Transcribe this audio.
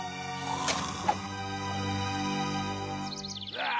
ああ！